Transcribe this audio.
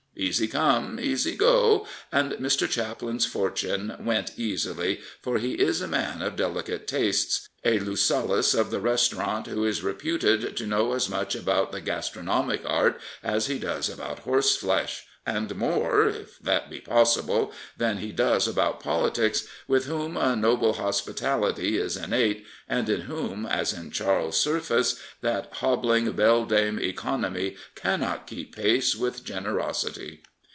'' Easy come, easy go," and Mr. Chaplin's fortune went easily, for he is a man of delicate tastes, a Lucullus of the restaurant, who is reputed to know as much about the gastrqpomic art as he does about horseflesh, and more — if that be possible — than he does about politics, with whom a noble hospitality is innate, and in whom, as in Charles Surface, that hobbling beldame Economy cannot keep pace with Generosity."